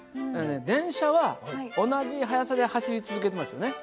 電車は同じ速さで走り続けてますよね？